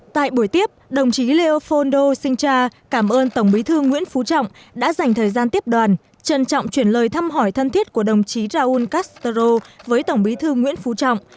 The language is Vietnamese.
tại buổi tiếp đồng chí leopoldo sinhcha cảm ơn tổng bí thư nguyễn phú trọng đã dành thời gian tiếp đoàn trân trọng chuyển lời thăm hỏi thân thiết của đồng chí raúl castro với tổng bí thư nguyễn phú trọng